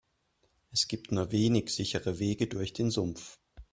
Es gibt nur wenige sichere Wege durch den Sumpf.